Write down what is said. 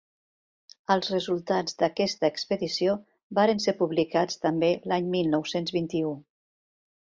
Els resultats d'aquesta expedició varen ser publicats també l'any mil nou-cents vint-i-u.